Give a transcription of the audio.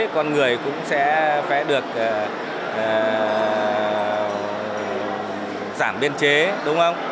con người cũng sẽ được giảm biên chế đúng không